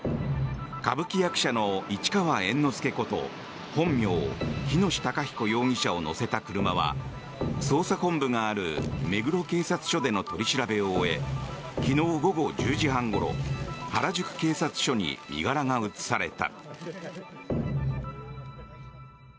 歌舞伎役者の市川猿之助こと本名・喜熨斗孝彦容疑者を乗せた車は、捜査本部がある目黒警察署での取り調べを終え昨日午後１０時半ごろ原宿警察署に身柄が移された。